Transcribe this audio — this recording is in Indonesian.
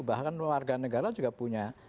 bahkan warga negara juga punya